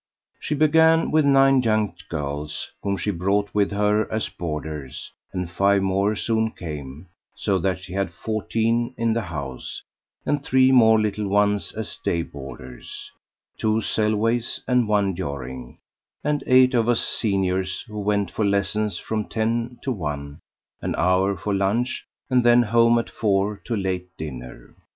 She began with nine young girls whom she brought with her as boarders, and five more soon came, so that she had fourteen in the house, and three more little ones as day boarders (two Selways and one Jorring), and eight of us seniors, who went for lessons from ten to one, an hour for lunch, and then home at four to late dinner.